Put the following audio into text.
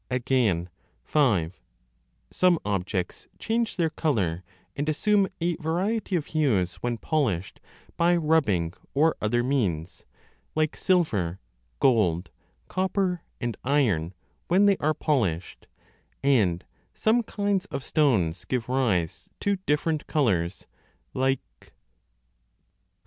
Again, (5) some objects change their colour and assume a variety of hues when polished by rubbing or other means, like silver, gold, copper, and iron, when they are polished ; 20 and some kinds of stones give rise to different colours, 1 793 a I ff.